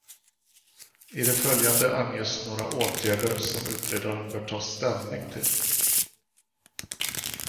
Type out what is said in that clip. I det följande anges några åtgärder som utredaren bör ta ställning till.